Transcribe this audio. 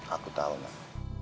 aku tau nak